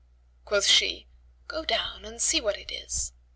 Quoth she, "Go down and see what it is."